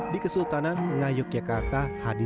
di kesultanan ngayogyakarta hadindara